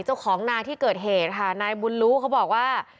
เจ้าของนาที่เกิดเหตุค่ะนายบุญรู้เขาบอกว่า